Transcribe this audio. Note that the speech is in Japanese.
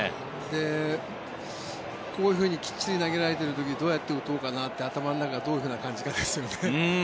こういうふうにきっちり投げられている時どうやって打とうかなって頭の中がどういう感じかですよね。